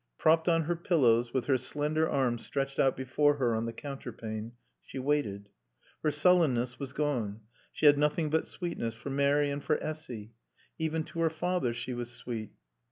Propped on her pillows, with her slender arms stretched out before her on the counterpane, she waited. Her sullenness was gone. She had nothing but sweetness for Mary and for Essy. Even to her father she was sweet.